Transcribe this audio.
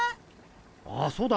あっそうだ。